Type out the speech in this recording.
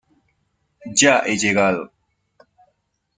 ya he llegado.